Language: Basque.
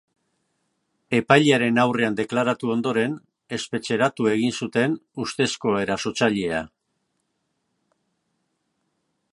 Epailearen aurrean deklaratu ondoren, espetxeratu egin zuten ustezko erasotzailea.